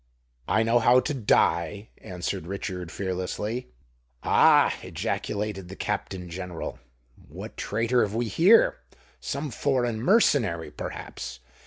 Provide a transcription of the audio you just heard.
"I know how to die," answered Richard, fearlessly. "Ah!" ejaculated the Captain General. "What traitor have we here? Some foreign mercenary perhaps.